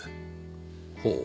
ほう。